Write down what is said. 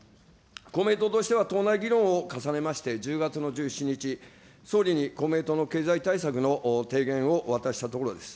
公明党としては党内議論を重ねまして、１０月の１７日、総理に公明党の経済対策の提言を渡したところです。